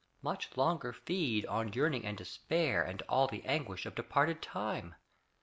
Much longer feed on yearning and despair And all the anguish of departed time?